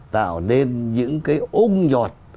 tạo nên những cái ung nhọt